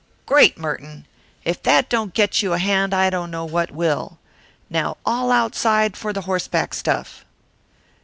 Great, Merton! If that don't get you a hand I don't know what will. Now all outside for the horseback stuff!"